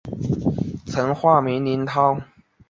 曾化名林涛。